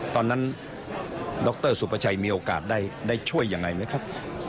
ตอนนั้นดรสุภาชัยมีโอกาสได้ช่วยยังไงไหมครับ